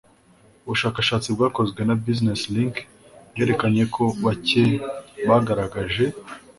Ubushakashatsi bwakozwe na Business Link bwerekanye ko bake bagaragaje